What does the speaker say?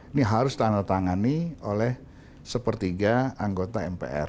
ini harus ditandatangani oleh sepertiga anggota mpr